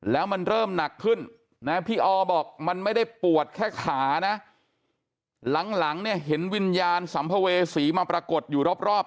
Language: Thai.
แล้วมันเริ่มหนักขึ้นนะพี่ออบอกมันไม่ได้ปวดแค่ขานะหลังเนี่ยเห็นวิญญาณสัมภเวษีมาปรากฏอยู่รอบ